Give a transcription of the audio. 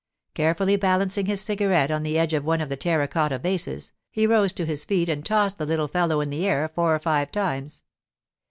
Carefully balancing his cigarette on the edge of one of the terra cotta vases, he rose to his feet and tossed the little fellow in the air four or five times.